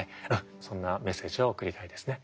そんなメッセージを送りたいですね。